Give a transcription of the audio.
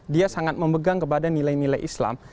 dia sangat memegang kepada nilai nilai islam